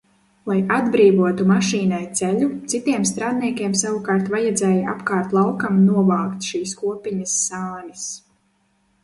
Lai atbrīvotu mašīnai ceļu, citiem strādniekiem savukārt vajadzēja apkārt laukam novākt šīs kopiņas sānis.